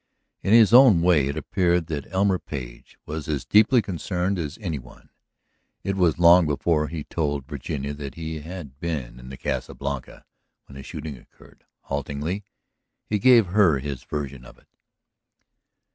In his own way, it appeared that Elmer Page was as deeply concerned as any one. It was long before he told Virginia that he had been in the Casa Blanca when the shooting occurred; haltingly he gave her his version of it.